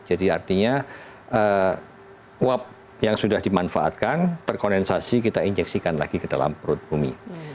jadi artinya uap yang sudah dimanfaatkan terkondensasi kita injeksikan lagi ke dalam perut bumi